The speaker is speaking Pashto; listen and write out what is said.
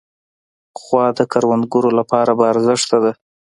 غوا د کروندګرو لپاره باارزښته ده.